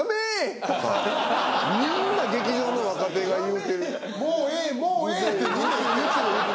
みんな劇場の若手が言うてる。